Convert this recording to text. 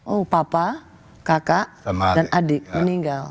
oh papa kakak dan adik meninggal